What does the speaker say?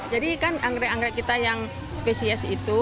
jadi kan angrek angrek kita yang spesies itu